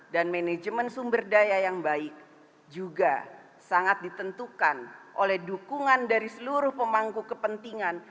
dan manajemen sumber daya yang baik juga sangat ditentukan oleh dukungan dari seluruh pemangku kepentingan